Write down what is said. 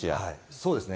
そうですね。